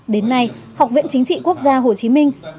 đến nay học viện chính trị quốc gia hồ chí minh